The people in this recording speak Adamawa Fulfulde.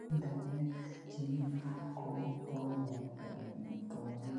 Ɓiŋngel ɗon ɗaani dow ɓaawo daada maagel.